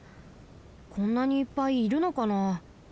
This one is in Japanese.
こんなにいっぱいいるのかな？